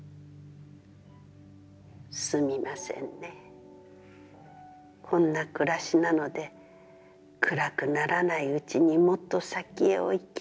『すみませんね、こんな暮らしなので、暗くならないうちにもっと先へお行きなさい』